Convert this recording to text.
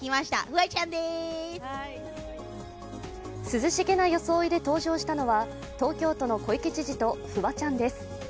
涼しげな装いで登場したのは、東京都の小池知事とフワちゃんです。